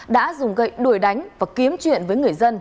đã dùng gậy đuổi đánh và kiếm chuyện với người dân